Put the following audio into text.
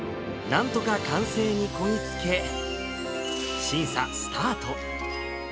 なんとか完成にこぎ着け、審査スタート。